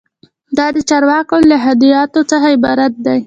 دا د چارواکو له هدایاتو څخه عبارت دی.